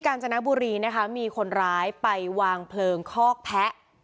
การจนบุรีนะคะมีคนร้ายไปวางเพลิงคอกแพะ